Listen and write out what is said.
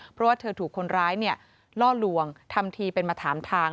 เพราะว่าเธอถูกคนร้ายล่อลวงทำทีเป็นมาถามทาง